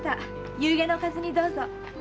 夕餉のおかずにどうぞ。